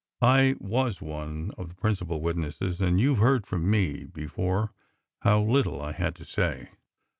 I was one of the principal witnesses and you ve heard from me before how little I had to say.